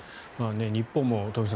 日本も東輝さん